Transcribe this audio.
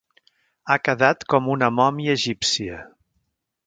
Ha quedat com una mòmia egípcia.